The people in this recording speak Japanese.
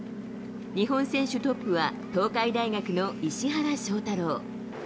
日本選手トップは、東海大学の石原翔太郎。